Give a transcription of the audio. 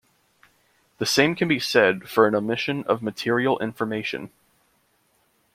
The same can be said for an omission of material information.